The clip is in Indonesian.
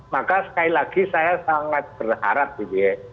maka sekali lagi saya sangat berharap gitu ya